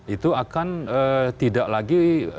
itu akan tidak lagi